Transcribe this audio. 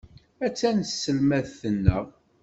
Attan tselmadt-nneɣ.